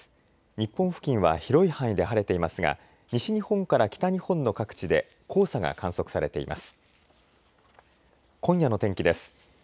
日本付近は広い範囲で晴れていますが西日本から北日本の各地で黄砂が観測されています。